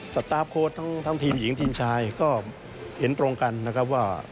สตาร์ฟโค้ดทั้งทีมหญิงทีมชายก็เห็นตรงกันนะครับว่า